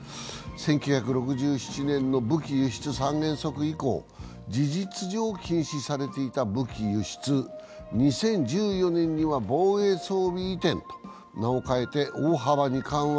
１９６７年の武器輸出三原則以降事実上禁止されていた武器輸出、２０１４年には防衛装備移転と名を変えて大幅に緩和。